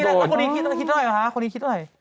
แล้วคนนี้คิดอะไรหรือคะคนนี้คิดอะไร